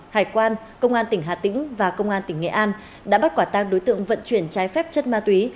hải quan công an tỉnh hà tĩnh và công an tỉnh nghệ an đã bắt quả tang đối tượng vận chuyển trái phép chất ma túy